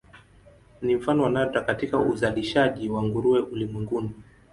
Ni mfano wa nadra katika uzalishaji wa nguruwe ulimwenguni.